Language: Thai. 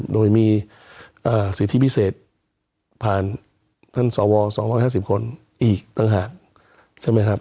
โดยมีสิทธิพิเศษผ่านท่านสว๒๕๐คนอีกต่างหาก